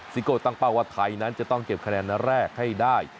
โก้ตั้งเป้าว่าไทยนั้นจะต้องเก็บคะแนนแรกให้ได้